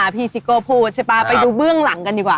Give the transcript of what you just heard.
ซิโก้พูดใช่ป่ะไปดูเบื้องหลังกันดีกว่า